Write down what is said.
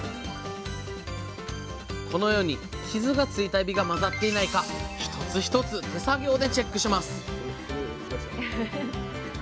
このように傷がついたエビが混ざっていないか一つ一つ手作業でチェックします